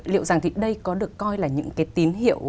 liệu rằng thì đây có được coi là những cái tín hiệu